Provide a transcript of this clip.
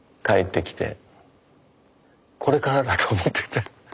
これからだと思ってた。